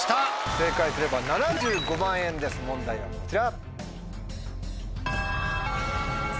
正解すれば７５万円です問題はこちら。